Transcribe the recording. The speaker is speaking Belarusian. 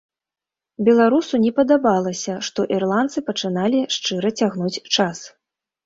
Беларусу не падабалася, што ірландцы пачыналі шчыра цягнуць час.